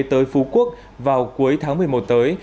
tới phú quốc vào cuối tháng một mươi một tới